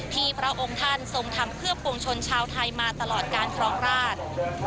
พระองค์ท่านทรงทำเพื่อปวงชนชาวไทยมาตลอดการครองราช